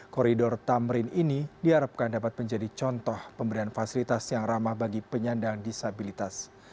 koridor tamrin ini diharapkan dapat menjadi contoh pemberian fasilitas yang ramah bagi penyandang disabilitas